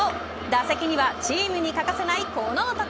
打席にはチームに欠かせない、この男。